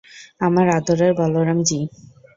আমার আদরের বলরাম-জি।